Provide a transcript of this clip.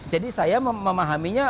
jadi saya memahaminya